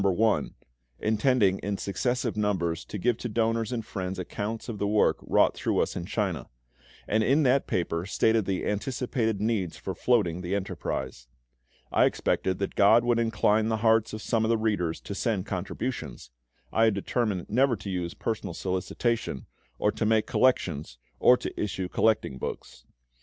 I." (intending in successive numbers to give to donors and friends accounts of the work wrought through us in China), and in that paper stated the anticipated needs for floating the enterprise. I expected that GOD would incline the hearts of some of the readers to send contributions: I had determined never to use personal solicitation, or to make collections, or to issue collecting books.